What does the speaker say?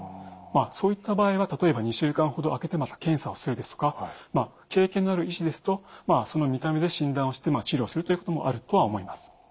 そういった場合は例えば２週間ほど空けてまた検査をするですとか経験のある医師ですとその見た目で診断をして治療をするということもあるとは思います。